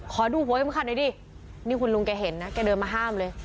ขอดูหัวเข็มขัดหน่อยดินี่คุณลุงแกเห็นนะแกเดินมาห้ามเลย